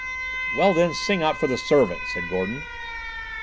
"Well, then, sing out for the servant," said Gordon.